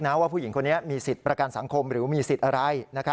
ว่าผู้หญิงคนนี้มีสิทธิ์ประกันสังคมหรือมีสิทธิ์อะไร